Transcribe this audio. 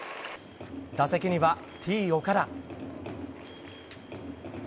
打席にはＴ‐岡田。